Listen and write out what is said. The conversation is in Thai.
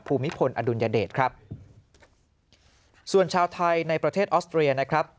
ภูมิพลอดุลยเดชครับส่วนชาวไทยในประเทศออสเตรียนะครับ